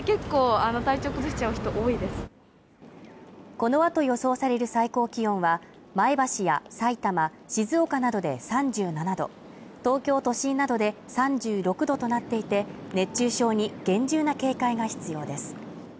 このあと予想される最高気温は、前橋やさいたま、静岡などで３７度、東京都心などで３６度となっていて、熱中症に厳重な警戒が必要です。